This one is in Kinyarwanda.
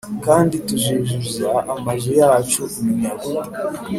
Kandi tuzuzuza amazu yacu iminyago,